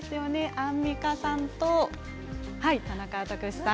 アンミカさんと田中卓志さん。